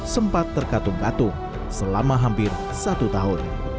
sempat tergatung gatung selama hampir satu tahun